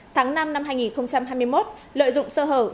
tháng năm năm hai nghìn hai mươi một lợi dụng sơ hở